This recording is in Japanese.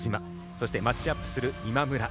そして、マッチアップする今村。